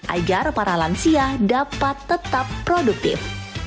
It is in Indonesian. agar para lansia dapat tetap produktif